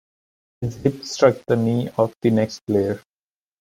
His hip struck the knee of the next player.